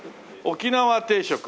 沖縄定食。